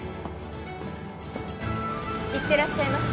いってらっしゃいませ。